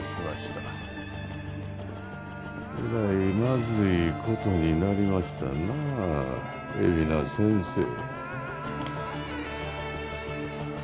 えらいまずい事になりましたな海老名先生。